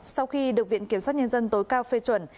sau khi được viện kiểm sát nhân dân tối cao phê chuẩn